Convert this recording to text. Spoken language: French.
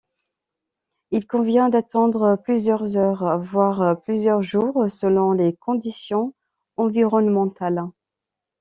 Il convient d'attendre plusieurs heures, voire plusieurs jours, selon les conditions environnementales.